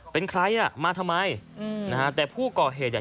เป็นใครอ่ะมาทำไมอืมนะฮะแต่ผู้ก่อเหตุเนี่ย